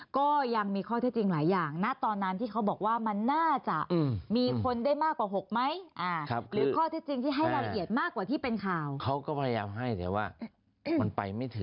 ก็ยังมีข้อเท็จจริงหลายอย่างนะตอนนั้นที่เขาบอกว่ามันน่าจะมีคนได้มากกว่า๖ไหม